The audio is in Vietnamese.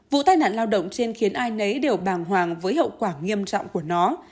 vụ tai nạn lao động trên khiến ai nấy đều bàng hoàng với hậu quả nghiêm trọng của nó